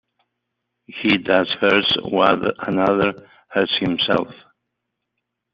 He that hurts another, hurts himself.